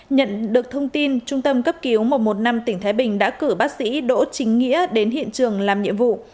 nhận được thông tin trung tâm cấp cứu một trăm một mươi năm tỉnh thái bình đã cử bác sĩ đỗ chính nghĩa đến hiện trường làm nhiệm vụ